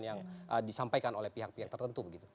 yang disampaikan oleh pihak pihak tertentu begitu